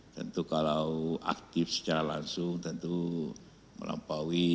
tentu kalau aktif secara langsung tentu melampaui